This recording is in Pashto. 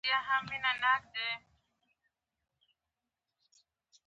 څنګه کولی شم د ماشومانو لپاره د جنت نهرونه وښایم